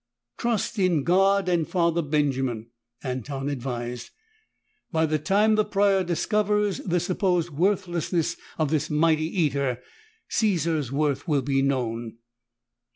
"Trust in God and Father Benjamin," Anton advised. "By the time the Prior discovers the supposed worthlessness of this mighty eater, Caesar's worth will be known."